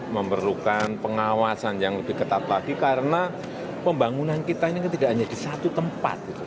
memerlukan pengawasan yang lebih ketat lagi karena pembangunan kita ini kan tidak hanya di satu tempat